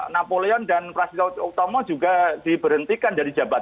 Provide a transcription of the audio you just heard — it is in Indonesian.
napoleon dan prasidawut okthamo juga diberhentikan dari jabatan